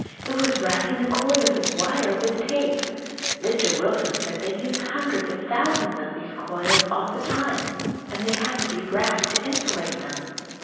It was wrapping the coils of wire with tape. Mr. Wilson said they used hundreds of thousands of these coils all the time, and they had to be wrapped to insulate them.